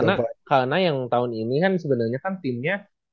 karena yang tahun ini kan sebenarnya kan timnya